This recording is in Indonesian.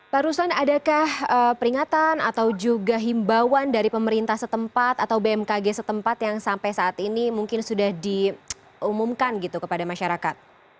pak ruslan adakah peringatan atau juga himbauan dari pemerintah setempat atau bmkg setempat yang sampai saat ini mungkin sudah diumumkan gitu kepada masyarakat